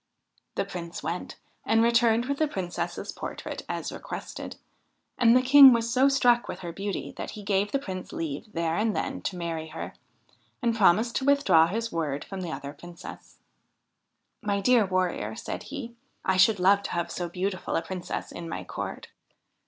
The Prince went, and returned with the Princess's portrait as requested ; and the King was so struck with her beauty that he gave the Prince leave there and then to marry her, and promised to with draw his word from the other Princess. ' My dear Warrior,' said he, ' I should love to have so beautiful a Princess in my court.'